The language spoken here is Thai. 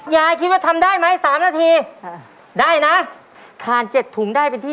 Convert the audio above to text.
ยายคิดว่าทำได้ไหม๓นาทีได้นะทาน๗ถุงได้เป็นที่